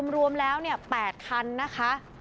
รวมแล้ว๘คันนะคะ